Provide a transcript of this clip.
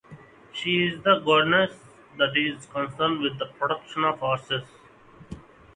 She is the goddess that is concerned with the protection of horses.